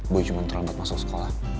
gue cuma terlambat masuk sekolah